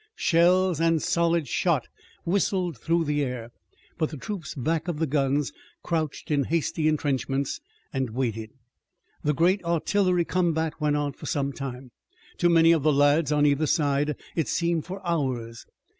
Shells and solid shot whistled through the air, but the troops back of the guns crouched in hasty entrenchments, and waited. The great artillery combat went on for some time. To many of the lads on either side it seemed for hours.